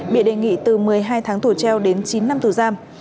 bị đề nghị từ một mươi hai tháng tù treo đến chín năm tù giam